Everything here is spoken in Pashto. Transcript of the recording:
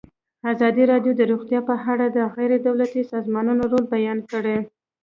ازادي راډیو د روغتیا په اړه د غیر دولتي سازمانونو رول بیان کړی.